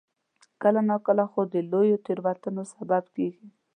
کله ناکله خو د لویو تېروتنو سبب کېږي.